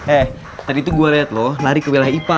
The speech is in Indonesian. eh tadi tuh gue liat loh lari ke wilayah ipa